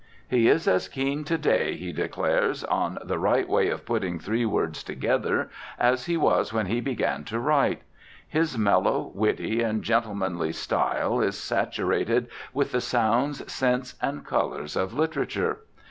He is as keen to day, he declares, on the "right way of putting three words together" as he was when he began to write. His mellow, witty, and gentlemanly style is saturated with the sounds, scents and colours of literature.